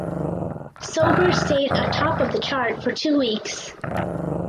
Sober stayed atop of the chart for two weeks.